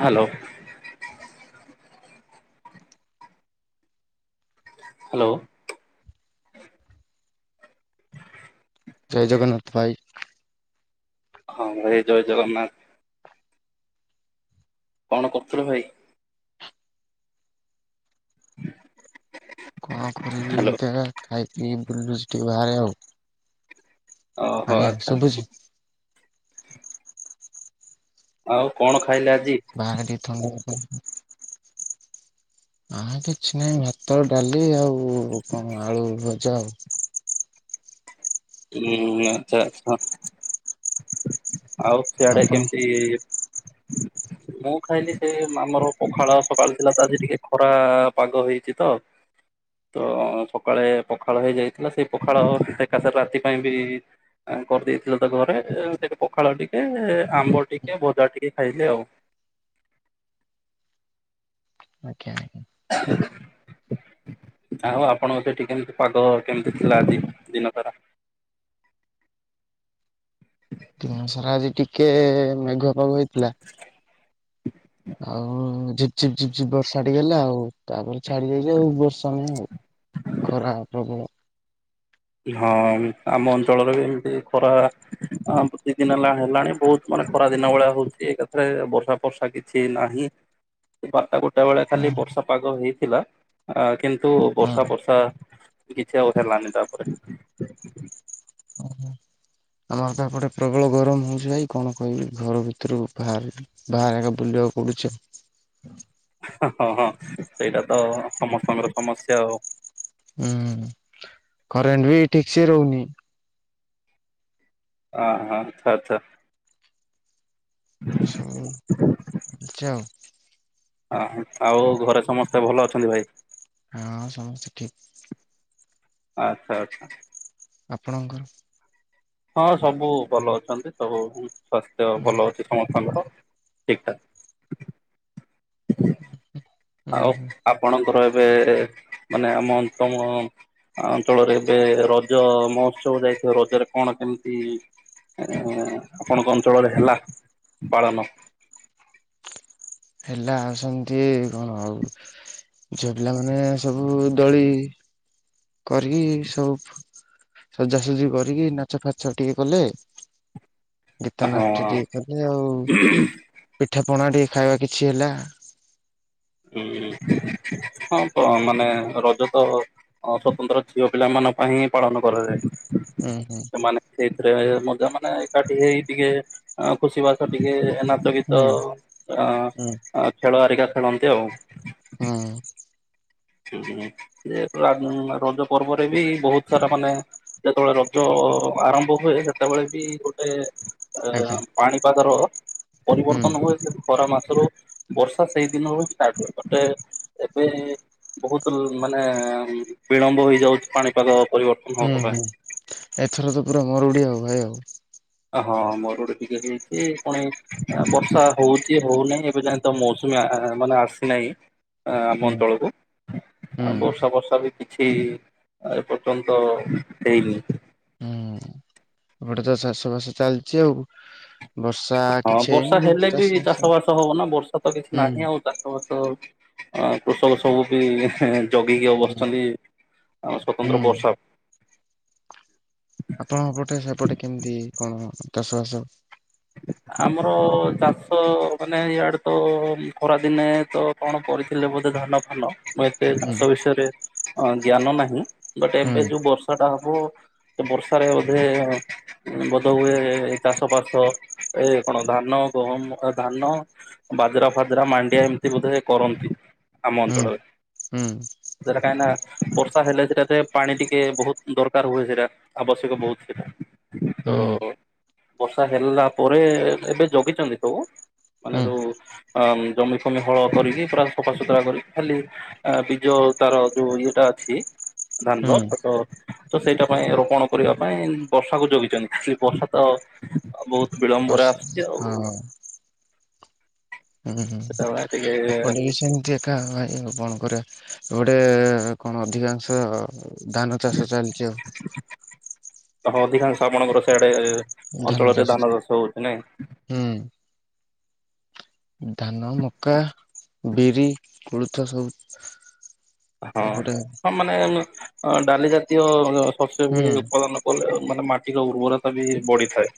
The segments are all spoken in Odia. Hello hello. ଜୟ ଜଗନ୍ନାଥ ଭାଇ। ହଁ ଭାଇ ଜୟ ଜଗନ୍ନାଥ। କଣ କରୁଥିଲ ଭାଇ? ହଁ। କଣ କରିବି ଏମିତି ଖାଇ ପି ବୁଲୁ ବାହାରେ ଆଉ। ଓହୋ ଆଜ୍ଞା ଆଚ୍ଛା ଶୁଭୁଛି? ଆଛା। ଆଉ କଣ ଖାଇଲେ ଆଜି? ବାହାରେ [unintelligible] ଥଣ୍ଡା ଆ କିଛି ନାହିଁ ଭାତ ଡାଲି ଆଉ କଣ ଆଳୁ ଭଜା ଆଉ। ହୁଁ ଆଚ୍ଛା ଆଛା ଆଉ ସିଆଡେ ଆପଣ? କେମିତି [inaudible] ମୁଁ ଖାଇଲି ସେ ଆମର ପଖାଳ ସକାଳୁ ଥିଲା ତ ଆଜି ଟିକେ ଖରା ପାଗ ହେଇଛି ତ ତ ସକାଳେ ପଖାଳ ହେଇଯାଇଥିଲା ସେଇ ପଖାଳ ସେକାଶରେ ରାତି ପାଇଁ ବି କରିଦେଇଥିଲେ ତା ଘରେ ସେ ପଖାଳ ଟିକେ ଆମ୍ବ ଟିକେ ଭଜା ଟିକେ ଖାଇଲେ ଆଉ। [inaudible] [inaudible] ଆ ହଉ ଆପଣଙ୍କ ସେଠି କେମିତି ପାଗ କେମିତି ଥିଲା ଆଜି ଦିନ ସାରା? [inaudible] ଦିନ ସାରା ଆଜି ଟିକେ ମେଘୁଆ ପାଗ ଥିଲା। [inaudible] ଆଉ ଝିପ ଝିପ୍ ଝିପଝପ ବର୍ଷା ଟିଏ ଗଲା ଆଉ ତାପରେ ଛାଡି ଯଲିି ଆଉ ବର୍ଷା ନଁ ଆଉ ଖରା ପ୍ରବଳ। ହଁ ଆମ ଅଞ୍ଚଳରେ ବି ଏମିତି ଖରାତି ଦିନ ହେଲାଣି ହେଲାଣି ବହୁତ ମାନେ ଖରା ଦିନ ଭଳିଆ ହଉଛି ଏକାଥରେ ବର୍ଷା ଫର୍ଷା କିଛି ନାହିଁ। ବାରଟା ଗୋଟା ବେଳେ ହଁ ଖାଲି ବର୍ଷା ପାଗ ହେଇଥିଲା କିନ୍ତୁ ହଁ ବର୍ଷା ବର୍ଷା କିଛିିବା କଠାରିଲାନି ତାପରେ ଓ ହୋ। ଆମର ତାପଟେ ପ୍ରବଳ ଗରମ ହଉଛି ଭାଇ କଣ କହିବି ଘର ଭିତରୁ ବାହାରି। ବାହାରଙ୍କା ବୁଲିବାକୁ ପଡୁଛ ଆଉ। ହଁ ହଁ ସେଇଟା ତ ସମସ୍ତଙ୍କର ସମସ୍ୟା ଆଉ। ହୁଁ କରେଣ୍ଟ ବି ଠିକ ସେ ରହୁନି। ହଁ ହଁ ଥା ଆଶୁ। ଆଛା ଆଉ। ଅ ଆଉ ଘରେ ସମସ୍ତେ ଭଲ ଅଛନ୍ତି ଭାଇ। ହଁ ସମସ୍ତେ ଠିକ। ଆଚ୍ଛା ଆଚ୍ଛା। ଆପଣଙ୍କର ହଁ ସବୁ ଭଲ ଅଛନ୍ତି ସବୁ ସ୍ୱାସ୍ଥ୍ୟ ହୁଁ ଭଲ ଅଛି ସମସ୍ତଙ୍କର ଠିକଠାକ୍। ହୁଁ। ଆଉ ଆପଣଙ୍କର ଏବେ ମାନେ ଆମ ଅନ୍ତମ ଅଞ୍ଚଳରେ ଏବେ ରଜ ମହୋତ୍ସବ ଯାଇଥିବ ରଜରେ କଣ କେମିତି ଆପଣଙ୍କ ଅଞ୍ଚଳରେ ହେଲା ପାଳନ? ହେଲା ଆସନ୍ତି କଣ ଆଉ? ଝିଅ ପିଲାମାନେ ସବୁ ଦୋଳି କରିକି ସବୁ ସଜାସଜି କରିକି ନାଚ ଫାଚ ଟିକେ କଲେ। ଗୀତ ହଁ ନାଟ୍ୟ ଟିକେ କଲେ ଆଉ ପିଠା ପଣା ଟିକେ ଖାଇବା କିଛି ହେଲା। ହୁଁ ହୁଁ ଆପଣ ମାନେ ରଜ ତ ଅ ସ୍ୱତନ୍ତ୍ର ଝିଅ ପିଲା ମାନଙ୍କ ପାଇଁ ହିଁ ପାଳନ କରାଯାଏ। ହୁଁ ହୁଁ। ସେମାନେ ସେଇଥିରେ ମଜା ମାନେ ଏକାଠି ହେଇ ଟିକେ ଆ ଖୁସି ବାସ ଟିକେ ଏନା ଗୀତ ହୁଁ ଅଉ ଏରଣ ହୁଁ ଆ ଖେଳ ଆରିକା ଖେଳନ୍ତି ଆଉ। ହୁଁ। ହୁଁ ହୁଁ ସେ ପ୍ରକା ଆଁ ରଜ ପର୍ବରେ ବି ବୋହୁତ୍ ସାରା ମାନେ ଯେତେବେଳେ ରଜ ଆରମ୍ଭ ହୁଏ ସେତେବେଳେ ବି ଗୋଟେ ଏ ଆଜ୍ଞା ପାଣିପାଗର ହୁଁ ପରିବର୍ତ୍ତନ ହୁଏ ସେ ଖରା ମାସରୁ ବର୍ଷା ସେଇ ଦିନରୁ ହି ଷ୍ଟାର୍ଟ ହୁଏ ଗୋଟେ ଏବେ ବୋହୁତୁ ମାନେ ବିଳମ୍ବ ହେଇଯାଉଚି ପାଣିପାଗ ପରିବର୍ତ୍ତ ହୁଁ ହୁଁ ଏଥର ତ ପୁରା ମରୁଡ଼ି ଆଉ ଭାଇ ଆଉ। ଆ ହଁ ମରୁଡି ଟିକେ ହେଇଛି କଣ ହେ ଆଁ ବର୍ଷା ହଉଛି ହଉନାହିଁ ଏବେ ଯାଏଁ ତ ମୌସୁମୀ ମାନେ ଆସିନାହିଁ। ଆମ ହୁଁ ଅଞ୍ଚଳକୁ ହୁଁ। ଆଉ ବର୍ଷା ପର୍ଷା ବି ଛି ଏପର୍ଯ୍ୟନ୍ତ ହେଇନି। ହୁଁ ଏପଟେ ତ ଚାଷ ବାସ ଚାଲଚି ଆଉ। ବର୍ଷା। ହଁ ବର୍ଷା ହେଲେ ବି ଚାଷ ବାସ ହବ ନା ବର୍ଷା ତ କିଛି ହୁଁ ନାହିଁ ଆଉ। ଚାଷ ବାସ ଆ କୃଷକ ସବୁ ବି ଜଗିକି ଆଉ ହୁଁ ବସିଛନ୍ତି ଆଉ ସ୍ଵତନ୍ତ୍ର ହୁଁ ବର୍ଷା ଆପଣଙ୍କ ପଟେ ସେପଟେ କେମିତି କଣ ଚାଷବାସ? ଆମର ଚାଷ ମାନେ ଇଆଡ଼େ ତ ଖରାଦିନେ ତ କଣ କରିଥିଲେ ବୋଧେ ଧାନ ଫାନ ହୁଏ ଟେ ହୁଁ ଚାଷ ବିଷୟରେ ଅ ଜ୍ଞାନ ନାହିଁ ବଟ୍ ଏବେ ହୁଁ ଯୋଉ ବର୍ଷ ଷାଟା ହବ ତ ବର୍ଷାରେ ବୋଧେ ବୋଧ ହୁଏ ଚାଷ ବାସ ଏଇ କଣ ଧାନ ଗହମ ଧାନ ବାଜରା ଫାଜରା ମାଣ୍ଡିଆ ଏମିତି ବୋଧେ କରନ୍ତି ଆମ ହୁଁ ଅଞ୍ଚଳରେ। ହୁଁ ସେଟା କାହିଁକିନା ବର୍ଷା ହେଲେ ସେଟା ଟେ ପାଣି ଟିକେ ବୋହୁତ ଦରକାର ହୁଏ ସେଟା। ଆବଶ୍ୟକ ବୋହୁତ୍ ସେଇଟା। ତ ବର୍ଷା ହେଲା ପରେ ଏବେ ଜଗିଚନ୍ତି ସବୁ। ହୁଁ ମାନେ ହୁଁ ଯୋଉ ଅ ଜମି ଫମି ହଳ କରିକି ପୁରା ସଫାସୁତୁରା କରିକି ଖାଲି ଆ ବିଜ ତାର ଯୋଉ ଇଏଟା ଅଛି ଧାନର ହୁଁ ତା ତ ତ ସେଇଟା ପାଇଁ ରୋପଣ କରିବା ପାଇଁ ବର୍ଷାକୁ ଜଗିଚନ୍ତି ସେ ବର୍ଷା ତ ବୋହୁ ବର୍ଷ୍ ହଁ। ହୁଁ ହୁଁ ସେତେବେଳେ ଟିକେ ଏପଟେ ବି ସେମ୍ ଚି ଏକା ଭାଇ କଣ କରିବା ଗୋଟେ କଣ ଅଧିକାଂଶ ଧାନ ଚାଷ ଚାଲିଚି ଆଉ। ହଁ ଅଧିକାଂଶ ଆପଣଙ୍କର ସିଆଡ଼େ ଅଞ୍ଚଳରେ ଧାନ ଚାଷ ହଉଛି ନାଇଁ? ହୁଁ। ଧାନ ମକା ବିରି କୋଳଥ ସବୁ। ହଁ ଏପଟେ ହଁ ମାନେ ଡାଲି ଜାତୀୟ ସସ୍ୟ ହୁଁ ହୁଏ ଉତ୍ପାଦନ। [unintelligible] ମାନେ ମାଟିର ଉର୍ବରତା ବି ବଢିଥାଏ।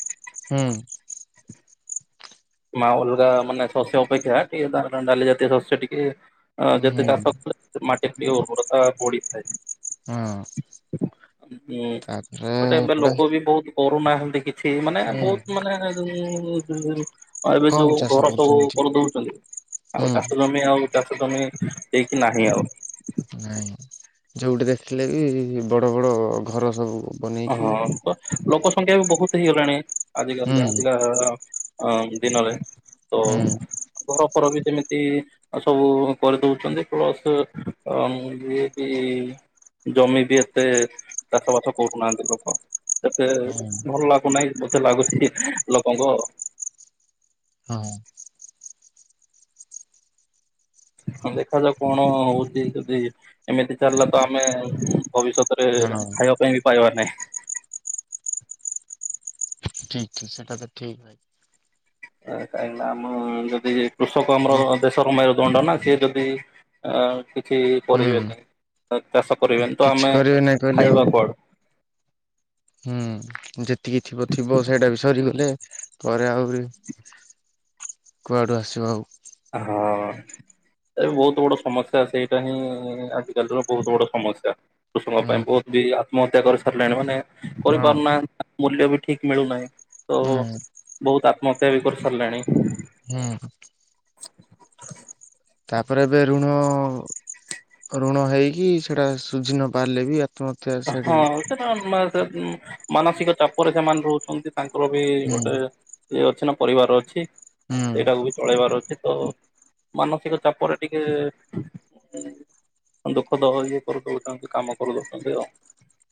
ହୁଁ। ମା ଅଲଗା ମାନେ ଶସ୍ୟ ଅପେକ୍ଷା [unintelligible] ଟିକେ ଡାଲି ଜାତୀୟ ଶସ୍ୟ ଟିକେ ହଁ ଯେତେ ହୁଁ ଚାଷ କଲେ ମାଟି ଜାତୀୟ ଉର୍ବରତା ବଢିଥାଏ। ହଁ। ହୁଁ ତାପରେ ଗୋଟେ ଏବେ ଏପଟେ ଲୋକ ବି ବହୁତ କରୁ ନାହାଁନ୍ତି କିଛି ମାନେ ହୁଁ ବହୁତ ମାନେ [unintelligible] ଅ ଏବେ କମ୍ ଯୋଉ ଚାଷ ଘର ସବୁ କରୁଛନ୍ତି। କରିଦଉଚନ୍ତି ଆଉ ହୁଁ ଚାଷ ଜମି ଆଉ ଚାଷ ତମେ ଦେଇକି ନାହିଁ ଆଉ ଆଉ। ନାଇଁ ଯୋଉଠି ଦେଖିଲେ ବି ବଡ଼ ବଡ଼ ଘର ସବୁ। ଓ ବନେଇକି ହଁ ତ ଲୋକ ସଂଖ୍ୟା ବି ବହୁତ ହେଇଗଲାଣି ହୁଁ ଆଜିକାଲିକା ଅଧିକା ଅ ଦିନରେ ତ ହୁଁ ଘର ଫର ବି ଯେମିତି ଆ ସବୁ କରିଦଉଚନ୍ତି ପ୍ଲସ୍ ଅ ଯିଏକି ଜମି ବି ଏତେ ଚାଷ ବାସ କରୁ ନାହାନ୍ତି ଲୋକ ସେତେ ହୁଁ ଭଲ ଲାଗୁନାହିଁ ମତେ ଲାଗୁଛିକି ଲୋକଙ୍କ ହଁ। ହଁ ଦେଖାଯାଉ କଣ ହଉଚି ଯଦି ଏମିତି ଚାଲିଲା ତ ଆମେ ଭବିଷତ୍ ତ ରେ ହଁ ଖାଇବା ପାଇଁ ବି ପାଇବା ନାହିଁ। [unintelligible] ସେଟା ତ ଠିକ୍। [unintelligible] କାହିଁକିନା ଆମ ଯଦି କୃଷକ ଆମର ଯେ ଦେଶର ମେରୁ ଦଣ୍ଡ ନା ସିଏ ଯଦି ଆ କି କିଛି କରିବେନି ତ ଚାଷ ହୁଁ କରିବେନି ତ କିଛି ଆମେ କରିବେ ନାଇଁ କହିଲେ ଆଉ। ଖାଇବା କୁଆଡ଼ୁ ହୁଁ ଯେତିକି ଥିବ ଥିବ ସେଇଟା ବି ସରିଗଲେ ପରେ ଆହୁରି କୁଆଡୁ ଆସିବ ଆଉ। ହଁ। ଏବେ ବହୁତ ବଡ ସମସ୍ୟା ସେଇଟା ହିଁ ଆଜିକାଲିର ବହୁତ ବଡ ସମସ୍ୟା। କୃଷକ ଙ୍କ ହୁଁ ପାଇଁ ବହୁତ ବି ଆତ୍ମହତ୍ୟା କରି ସାରିଲେଣି ମାନେ ହଁ କରିପାରୁନାହାନ୍ତି ନା ମୂଲ୍ୟ ବି ଠିକ୍ ମିଳୁନାହିଁ ତ ନାଇଁ ବହୁତ ଆତ୍ମହତ୍ୟା ବି କରିସାରିଲାଣି। ହୁଁ। [unintelligible] ତାପରେ ଏବେ ଋଣ ଋଣ ହେଇକି ସେଟା ଶୁଝି ନ ପାରିଲେ ବି ଆ ହଁ [unintelligible] ସେଟା [unintelligible] ମାନସିକ ଚାପରେ ସେମାନେ ରହୁଚନ୍ତି ତାଙ୍କର ବି ଗୋଟେ ଇଏ ଅଛି ନା ପରିବାର ଅଛି ହୁଁ ସେଇଟାକୁ ବି ଚଳେଇବାର ଅଛି ତ ମାନସିକ ଚାପରେ ଟିକେ ଦୁଃଖ [unintelligible] କରୁ ଦଉଚନ୍ତି କାମ କରୁଦଉଚନ୍ତି ଆଉ।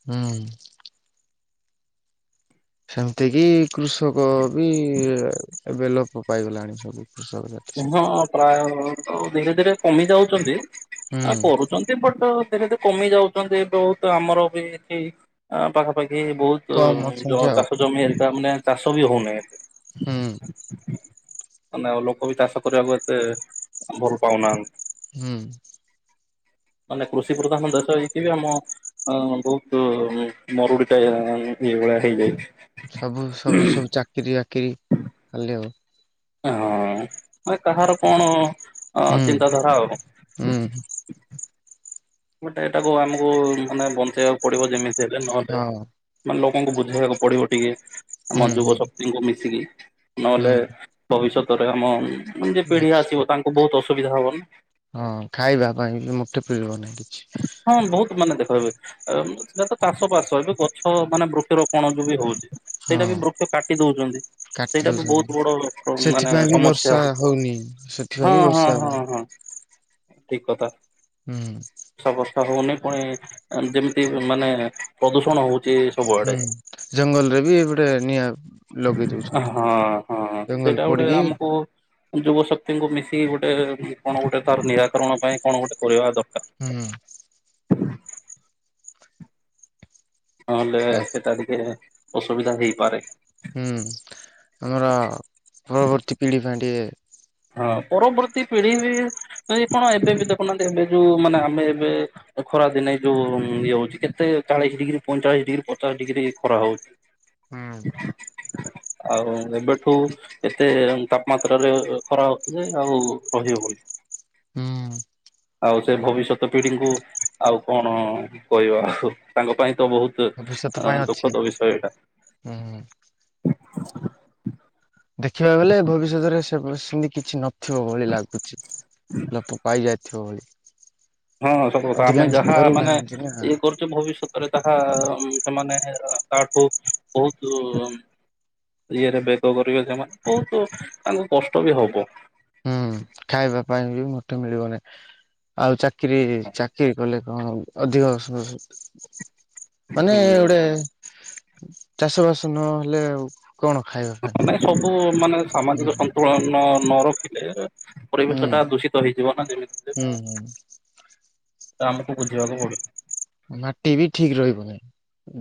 ହୁଁ। ସେମିତିକି କୃଷକ ବି ଏବେ ଲୋପ ପାଇଗଲାଣି ସବୁ। କୃଷକ ଜାତି ହ ହଁ ପ୍ରାୟ ତ ଧୀରେ ଧୀରେ କମି ଯାଉଚନ୍ତି ଆ ସବୁ। କରୁ ଚନ୍ତି ବଟ ଧିରେ ଧିରେ କମି ଯାଉଚନ୍ତି ବହୁତ ଆମର ବି ଏଠି ଆ ପାଖାପାଖି ବହୁତ୍‌ ତ କମ ଅଛନ୍ତି ଯୋଉ ଆଉ ଚାଷ ଜମି ହେରିକା ମାନେ ଚାଷ ବି ହଉନାହିଁ। ହୁଁ। ମାନେ ଲୋକ ବି ଚାଷ କରିବାକୁ ଏତେ ଭଲ ପାଉନାହାନ୍ ହୁଁ। ମାନେ କୃଷି ପ୍ରଧାନ ଦେଶ ହେଇକି ବି ଆମ ହଁ, ବହୁତୁ ମରୁଡିିଟା, ଇଏଁ ଭଳିଆ ହେଇଯାଇଛି। ସବୁ ସବୁ ହଁ। ସବୁ ଚାକିରି ଆକିରି କଲେ ଆଉ। ହଁ, ମାନେ କାହାର କଣ? ଅ ହୁଁ, ଚିନ୍ତାଧାରା ଆଉ ଉଁ। ମୋଟେ ତାକୁ ଆମକୁ ମାନେ ବଞ୍ଚେଇବାକୁ ପଡିବ, ଯେମିତି ହେଲେ ନହେଲେ ହଁ। ମାନେ, ଲୋକଙ୍କୁ ବୁଝେଇବାକୁ ପଡିବ ଟିକେ। ହୁଁ ଆମ ଯୁବ ହୁଁ ଶକ୍ତିଙ୍କୁ ମିଶିକି। ନହେଲେ, ହୁଁ ଭବିଷ୍ୟତରେ ଆମମ୍ ମାନେ ଯେ ପିଢି ଆସିବ, ତାଙ୍କୁ ବହୁତ ଅସୁବିଧା ହବ ନା। ହଁ, ଖାଇବା ପାଇଁ ବି ମୋଠେ ପିଳିବ ନି କିଛି? ହଁ, ବହୁତ ମାନେ ଦେଖଏବେ ଏମ୍ ସେଟା ତ ଚାଷ ପାଶ, ଏବେ ଗଛ ମାନେ ବୃକ୍ଷରୋପଣ ଯୋଉ ବି ହଉଛି। ସେଇଟା ବି ହଁ ବୃକ୍ଷ କାଟି ଦଉଛନ୍ତି। କାଟି ସେଇଟା ବି ଦଉଛନ୍ତି ବହୁତ ବଡ ପ୍ରବ୍ ମାନେ ସେଥିପାଇଁ ବି ବର୍ଷା ସମସ୍ୟା। ହଉନି ସେଥିପାଇଁ ହଁ ବି ହଁ ବର୍ଷା ହଉନି। ହଁ ହ। ଠିକ୍ କଥା। ହୁଁ। ସ ବର୍ଷା ହଉନି ପୁଣି ଅ, ଯେମିତି ମାନେ ପ୍ରଦୂଷଣ ହଉ ହୁଁ, ଜଙ୍ଗଲରେ ଏ ବଟେ ନିଆଁ ଲଗେଇ ହଁ ଦଉଛନ୍ତି। ହଁ, ଜଙ୍ଗଲ ସେଇଟା ଗୁଟେ ପୋଡିକି ଆମକୁ ଯୁବଶକ୍ତିଙ୍କୁ ମିଶିକି ଗୁଟେ, କଣ ଗୋଟେ ତାର ନିରାକରଣ ପାଇଁ କଣ ଗୁଟେ କରିବା ଦରକାର? ହୁଁ। ନହେଲେ, ତା ସେଟା ଟିକେ ଅସୁବିଧା ହେଇପାରେ। ହୁଁ, ଆମର ପରବର୍ତ୍ତୀ ପିଢ଼ି ପାଇଁଟିଏ ହଁ, ପରବର୍ତ୍ତୀ ପିଢି ବି କଣ, ଏବେ ବି ଦେଖୁନାହାଁନ୍ତି, ଏବେ ଯୋଉ ମାନେ, ଆମେ ଏବେ ଏ ଖରା ଦିନେ ଯୋଉ ଇଏ ହଉଛି, କେତେ ଚାଳିଶ ଡିଗ୍ରୀ, ପଇଁଚାଳିଶ ଡିଗ୍ରୀ, ପଚାଶ ଡିଗ୍ରୀ ଖରା ହଉଛି। ହୁଁ। ଆଉ ଏବେଠୁ ଏତେ ତାପମାତ୍ରରେ-ଏ ଖରା ଅଖିଲେ ଆଉ, ରହି ହବନି। ହୁଁ। ଆଉ, ସେ ଭବିଷ୍ୟତ ପିଢିଙ୍କୁ ଆଉ କଣ କହିବା ଆଉ? ତାଙ୍କ ପାଇଁ ତ ବହୁତ ଭବିଷ୍ୟତ ପାଇଁ ତ୍ ଅଛି। ଦୁଃଖତ ବିଷୟ ଏଟା। ହୁଁ, ହୁଁ। ଦେଖିବାକୁ ଗଲେ, ଭବିଷ୍ୟତରେ ସେ-ସେମିତି କିଛି ନଥିବ ଭଳି ଲାଗୁଛି। ଲୋପପାଇ ଯାଇ ଥିଓଳି ହଁ, ସତ କଥା! ଆମେ ଯାହା ମାନେ ନା ଇଏ କରୁଛେ ଭବିଷ୍ୟତ ରେ ତାହା-ଆ ଅମ୍ ସେମାନେ, ତାଠୁ ବହୁତୁ ଉମ୍ ଇଏରେ ବେଗ କରିବେ ସେମାନେ, ବହୁତୁ ତାଙ୍କୁ କଷ୍ଟ ବି ହବ। ହୁଁ, ଖାଇବା ପାଇଁ ବି ମୋଟେ ମିଳିବନି। ଆଉ ଚାକିରି ଚାକିରି କଲେ ହଁ, ଅଧିକ ସସ୍ ମାନେ ହୁଁ ଗୁଡେ ଚାଷବାସ ନହେଲେ ଆଉ କଣ ଖାଇବା? ପାଇଁ ନାଇଁ ସବୁ ମାନେ, ହୁଁ ସାମାଜିକ ସନ୍ତୁଳନ ନ ରଖିଲେ ପରିବେଶ ହୁଁ ଟା ଦୂଷିତ ହେଇଯିବ ନା, ଯେମତି ହେଲେବି। ହୁଁ ହୁଁ। ତ, ଆମକୁ ବୁଝିବାକୁ ପଡିବ। ମାଟି ବି ଠିକ୍ ରହିବନି,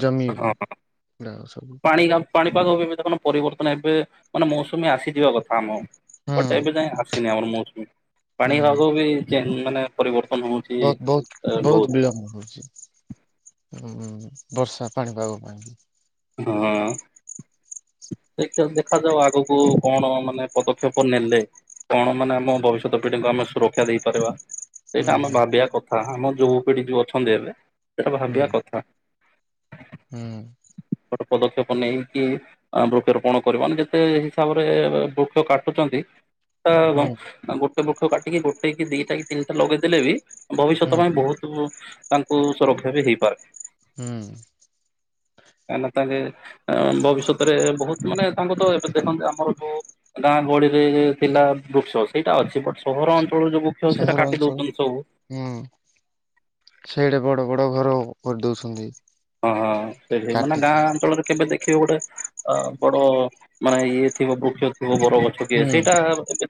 ଜମି ହଁ ଗୁଡାକ ସବୁ। ପାଣି ପାଣିପାଗ ବି ବି ଦେଖୁନ, ପରିବର୍ତ୍ତନ ଏବେ, ମାନେ ମୌସୁମୀ ଆସିଯିବା କଥା ଆମ ହୁଁ ବଟ ଏବେ ଯାଇ ଆସିନି ଆମର ମୌସୁମୀ ପାଣି ହୁଁ। ଆଗ ବି ମାନେ ପରିବର୍ତ୍ତନ ହଉଛି ବହୁତ ବହୁତ ବହୁତ ବିଳମ୍ବ ହଉଛି। ହୁଁ ବର୍ଷା ପାଣିପାଗ ପାଇଁ କି? ହଁ। ଦେ ଦେଖାଯାଉ ଆଗକୁ କଣ ମାନେ ପଦକ୍ଷେପ ନେଲେ? କଣ ମାନେ ଆମ ଭବିଷ୍ୟତ ପିଢିଙ୍କୁ ଆମେ ସୁରକ୍ଷା ଦେଇପାରିବା? ହୁଁ ସେଇଟା ଆମେ ହୁଁ ଭାବିବା କଥା ଆମ ଯୁଉ ପିଢି ଯୋଉ ଅଛନ୍ତି ଏବେ ସେଇଟା ଭାବିବା କଥା। ହୁଁ। ଗୋଟେ ପଦକ୍ଷେପ ନେଇକି ବୃକ୍ଷରୋପଣ କରିବା ନା ଯେତେ ହିସାବରେ ବୃକ୍ଷ କାଟୁଛନ୍ତି। ହୁଁ ହୁଁ ଗୋଟେ ପକ୍ଷ କାଟିକି ଗୋଟେ କି ଦିଟା କି ତିନିଟା ଲଗେଇଦେଲେ ବି ହୁଁ ଭବିଷ୍ୟତ ପାଇଁ ବହୁତ ତାଙ୍କୁ ସୁରକ୍ଷା ବି ହେଇପାରେ। ହୁଁ। କାହିଁକିନା ତାଙ୍କେ ଭବିଷ୍ୟତରେ ବହୁତ ମାନେ ତାଙ୍କୁ ତ ଏବେ ଦେଖନ୍ତି ଆମର ଯୋଉ ଗାଁ ଗହଳିରେ ଥିଲା ବୃକ୍ଷ ସେଇଟା ଅଛି ବଟ ସହର ଅଞ୍ଚଳ ଯୋ ସହର ଅଞ୍ଚଳ ହୁଁ ସେଇଟା ବଡ ବଡ ଘର କରିଦଉଛନ୍ତି ଓଁ ହଁ ସେଇଠି ମାନେ କାଟିକି ଗାଁ ଅଞ୍ଚଳରେ କେବେ ଦେଖିବେ ଗୋଟେ ଅ ବଡ ମାନେ ଇଏ ଥିବ ବୃକ୍ଷ ଥିବ ବରଗଛ ଗୋଟେ ହୁଁ ସେଇଟା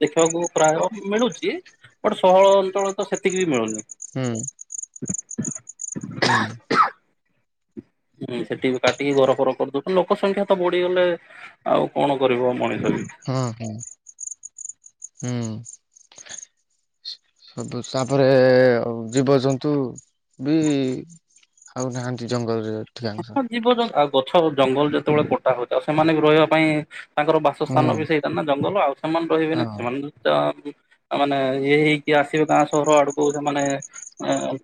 ଦେଖିବାକୁ ପ୍ରାୟ ମିଳୁଛି ବଟ ସହର ଅଞ୍ଚଳ ତ ସେତିକି ବି ମିଳୁନି। ହୁଁ। ହୁଁ। ହୁଁ ସେଠି ବି କାଟିକି ଘର ଫର କରିଦଉଛନ୍ତି ଲୋକ ସଂଖ୍ୟା ତ ବଢିଗଲେ ଆଉ କଣ କରିବ ମଣିଷ ବି ହୁଁ ହୁଁ ହୁଁ। ସବୁ ତାପରେ ଜୀବଜନ୍ତୁ ବି ଆଉ ନାହାନ୍ତି ଜଙ୍ଗଲରେ। ଅଧିକାଂଶ ହ ଜୀିବ ଆଉ ଗଛ ଜଙ୍ଗଲ ଯେତେବେଳେ କୋଟା ହଉଥା ଆଉ ସେମାନେ ବି ରହିବା ପାଇଁ ତାଙ୍କର ହୁଁ ବାସସ୍ଥାନ ବି ସେଇଟା ନା ଜଙ୍ଗଲ ଆଉ ସେମାନେ ହଁ ରହିବେନି ସେମାନେ ତ ମାନେ ଇଏ ହେଇକି ଆସିବେ ଗାଁ ସହର ଆଡକୁ ସେମାନେ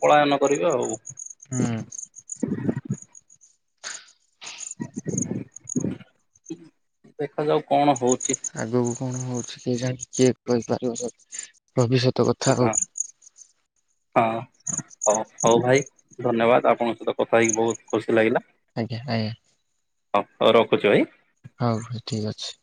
ପଳାୟନ କରି ଆଉ ହୁଁ। ଦେଖାଯାଉ କଣ ହଉଚି? ଆଗକୁ କଣ ହଉଛି କିଏ ଜାଣି କିଏ କହିପାରିବ ଭବିଷ୍ୟତ ହଁ କଥା ଆଉ। ହଁ। ହଉ ହଉ ଭାଇ ଧନ୍ୟବାଦ ଆପଣଙ୍କ ସହିତ କଥା ହେଇକି ବହୁତ ଖୁସି ଲାଗିଲା। ଆଜ୍ଞା ଆଜ୍ଞା। ହଁ ହଉ ରଖୁଛୁ ଭାଇ ହଉ ଭାଇ ଠିକ୍ ଅଛି।